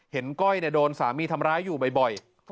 เห็นก้อยเนี่ยโดนสามีทำร้ายอยู่บ่อย